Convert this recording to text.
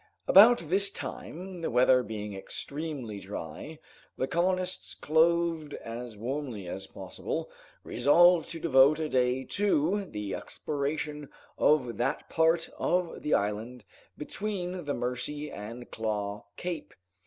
About this time, the weather being extremely dry, the colonists, clothed as warmly as possible, resolved to devote a day to the exploration of that part of the island between the Mercy and Claw Cape.